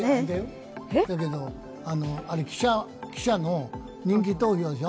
だけど記者の人気投票でしょ。